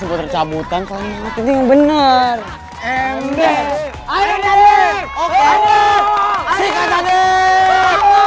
kok kamu malah nyebrang dari situ